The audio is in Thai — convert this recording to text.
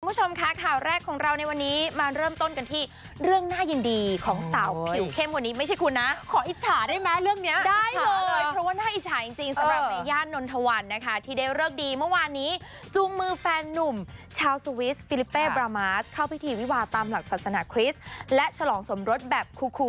คุณผู้ชมค่ะข่าวแรกของเราในวันนี้มาเริ่มต้นกันที่เรื่องน่ายินดีของสาวผิวเข้มคนนี้ไม่ใช่คุณนะขออิจฉาได้ไหมเรื่องเนี้ยได้เลยเพราะว่าน่าอิจฉาจริงจริงสำหรับเมย่านนทวันนะคะที่ได้เลิกดีเมื่อวานนี้จูงมือแฟนนุ่มชาวสวิสฟิลิปเป้บรามาสเข้าพิธีวิวาตามหลักศาสนาคริสต์และฉลองสมรสแบบคูคู